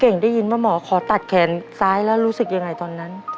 ได้ยินว่าหมอขอตัดแขนซ้ายแล้วรู้สึกยังไงตอนนั้น